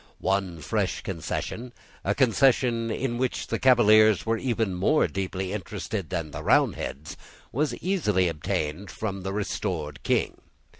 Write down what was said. One fresh concession, a concession in which the Cavaliers were even more deeply interested than the Roundheads, was easily obtained from the restored King.